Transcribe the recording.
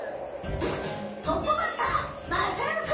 トップバッターまさるくん！